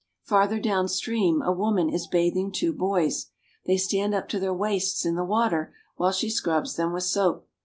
Farther down stream a woman is bath ing two boys. They stand up to their waists in the water while she scrubs them with soap.